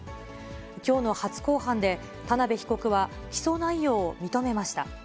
きょうの初公判で、田辺被告は起訴内容を認めました。